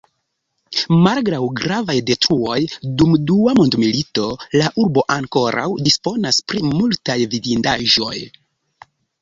Malgraŭ gravaj detruoj dum Dua Mondmilito la urbo ankoraŭ disponas pri multaj vidindaĵoj.